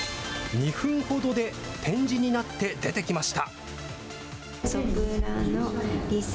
２分ほどで点字になって出てきました。